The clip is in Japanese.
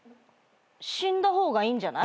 死んだ方がいいんじゃない？